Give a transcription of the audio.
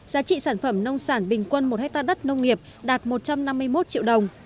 giá trị sản phẩm nông sản bình quân một hectare đất nông nghiệp đạt một trăm năm mươi một triệu đồng